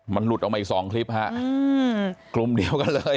มันหลุดออกมาอีกสองคลิปฮะกลุ่มเดียวกันเลย